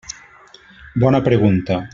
Bona pregunta.